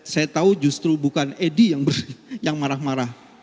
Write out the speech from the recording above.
saya tahu justru bukan edi yang marah marah